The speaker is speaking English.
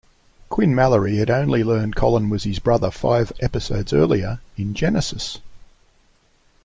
Quinn Mallory had only learned Colin was his brother five episodes earlier in "Genesis".